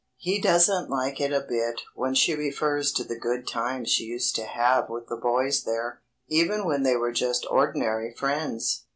He doesn't like it a bit when she refers to the good times she used to have with the boys there, even when they were just ordinary friends.